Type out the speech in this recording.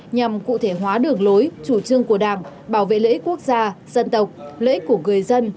nhằm cụ thể hóa đường lối chủ trương của đảng bảo vệ lễ quốc gia dân tộc lễ của người dân